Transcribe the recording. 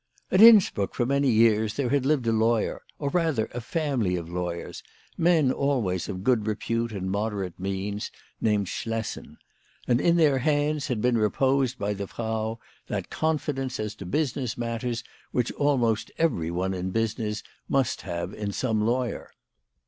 At Innsbruck for many years there had lived a lawyer, or rather a family of lawyers, men always of good repute and moderate means, named Schlessen ; and in their hands had been reposed by the Frau that confidence as to business matters which almost every one in business must have in some lawyer.